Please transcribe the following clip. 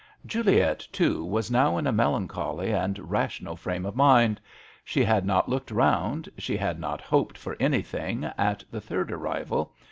Juliet, too, was now in a 192 MISS AWDREY AT HOME. melancholy and rational frame of mind. She had not looked round, she had not hoped for anything, at the third arrival.